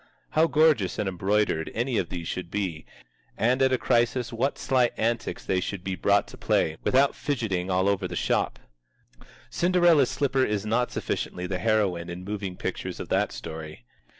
How gorgeous and embroidered any of these should be, and at a crisis what sly antics they should be brought to play, without fidgeting all over the shop! Cinderella's Slipper is not sufficiently the heroine in moving pictures of that story.